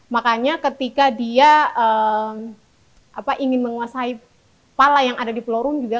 makanya ketika dia ingin menguasai pala yang ada di pulau room juga